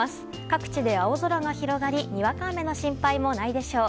各地で青空が広がりにわか雨の心配もないでしょう。